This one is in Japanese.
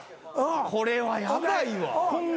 これはヤバいわ。